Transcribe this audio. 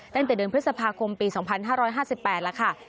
ตั้งแต่เดือนพฤษภาคมปี๒๕๕๘แล้วค่ะ